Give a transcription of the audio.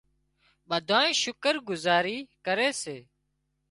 ٻڌانئين شڪر گذاري ڪري سي